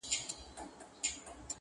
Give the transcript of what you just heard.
يو په يو يې لوڅېدله اندامونه-